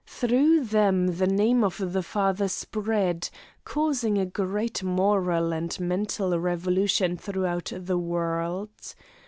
Through them the name of the father spread, causing a great moral and mental revolution throughout the world.